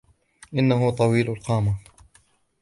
إنه طويل القامة.